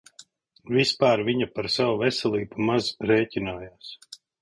Vispār viņa par savu veselību maz rēķinājās.